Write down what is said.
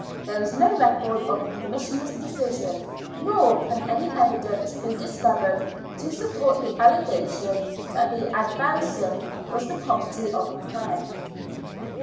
There is no record of the Commissioners' decision, nor can any evidence be discovered to support the allegation that the advowson was the property of the Crown.